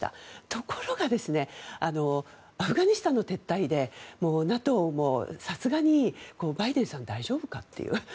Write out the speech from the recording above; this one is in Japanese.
ところがアフガニスタンの撤退でＮＡＴＯもさすがにバイデンさん大丈夫か？という。